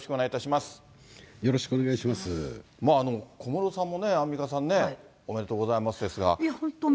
まあ、小室さんもね、アンミカさんね、本当、おめでとうございます。